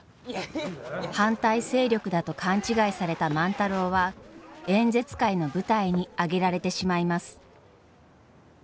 反対勢力だと勘違いされた万太郎は演説会の舞台に上げられてしまいます。